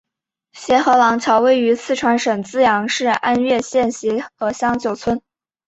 协和廊桥位于四川省资阳市安岳县协和乡九村。